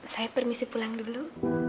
saya permisi pulang dulu